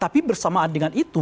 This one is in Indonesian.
tapi bersamaan dengan itu